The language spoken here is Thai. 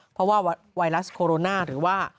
เพราะว่าไวรัสโคโรนาหรือว่า